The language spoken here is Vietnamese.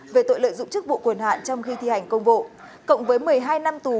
về tội lợi dụng chức vụ quyền hạn trong khi thi hành công vụ cộng với một mươi hai năm tù